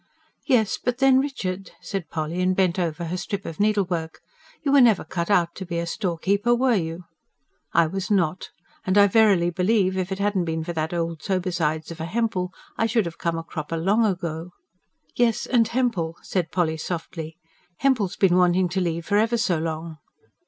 "Yes, but then, Richard," said Polly, and bent over her strip of needlework, "you were never cut out to be a storekeeper, were you?" "I was not. And I verily believe, if it hadn't been for that old sober sides of a Hempel, I should have come a cropper long ago." "Yes, and Hempel," said Polly softly; "Hempel's been wanting to leave for ever so long."